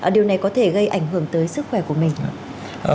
điều này có thể gây ảnh hưởng tới sức khỏe của mình